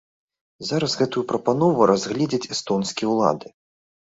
Зараз гэтую прапанову разгледзяць эстонскія ўлады.